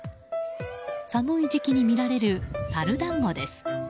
寒い時期に見られるサル団子です。